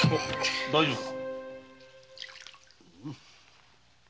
大丈夫か？